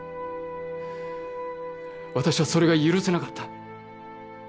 私はそれが許せなかった。